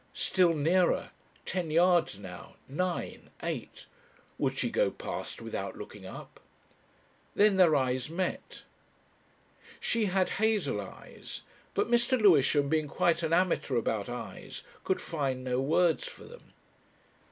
Still nearer, ten yards now, nine, eight. Would she go past without looking up?... Then their eyes met. She had hazel eyes, but Mr. Lewisham, being quite an amateur about eyes, could find no words for them.